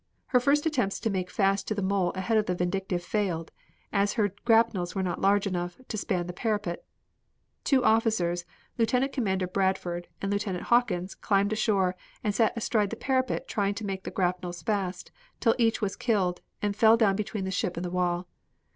Her first attempts to make fast to the mole ahead of the Vindictive failed, as her grapnels were not large enough to span the parapet. Two officers, Lieutenant Commander Bradford, and Lieutenant Hawkins, climbed ashore and sat astride the parapet trying to make the grapnels fast, till each was killed, and fell down between the ship and the wall.